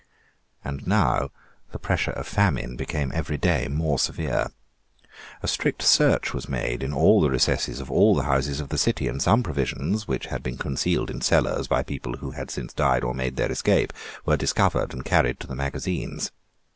And now the pressure of famine became every day more severe. A strict search was made in all the recesses of all the houses of the city; and some provisions, which had been concealed in cellars by people who had since died or made their escape, were discovered and carried to the magazines.